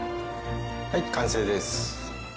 はい完成です。